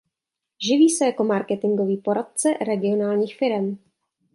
Živí se jako marketingový poradce regionálních firem.